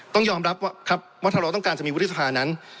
ต้องยอมรับว่าครับว่าถ้าเราต้องการจะมีวุฒิสภานั้น